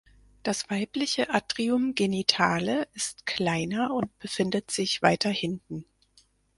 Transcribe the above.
Das weibliche Atrium genitale ist kleiner und befindet sich weiter hinten.